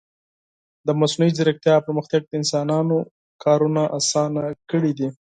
د مصنوعي ځیرکتیا پرمختګ د انسانانو کارونه آسانه کړي دي.